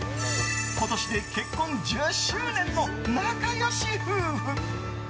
今年で結婚１０周年の仲良し夫婦。